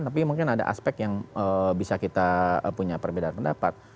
tapi mungkin ada aspek yang bisa kita punya perbedaan pendapat